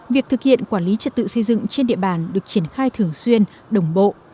việc thực hiện quản lý trật tự xây dựng trên địa bàn được triển khai thường xuyên đồng bộ